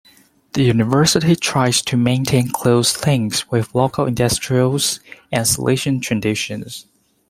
The university tries to maintain close links with local industries and Silesian traditions.